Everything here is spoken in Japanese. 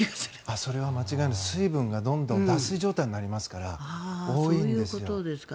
それは間違いない、水分がどんどん脱水状態になりますから多いんですよ。